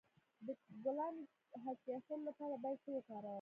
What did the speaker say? د ګلانو د حساسیت لپاره باید څه وکاروم؟